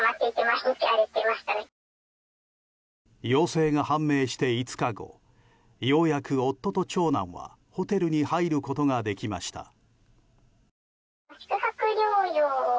陽性が判明して５日後ようやく夫と長男はホテルに入ることができました。